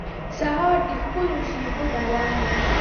سهار د ښکلو شېبو دوام دی.